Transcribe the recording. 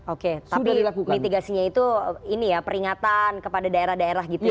oke tapi mitigasinya itu ini ya peringatan kepada daerah daerah gitu ya